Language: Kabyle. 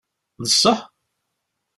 D ṣṣeḥ?